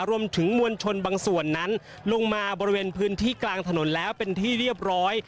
รวมถึงมวลชนบางส่วนนั้นลงมาบริเวณพื้นที่กลางถนนแล้วเป็นที่เรียบร้อย